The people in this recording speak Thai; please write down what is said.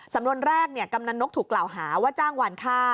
สำนวนแรกกำนันนกถูกกล่าวหาว่าจ้างหวานค่า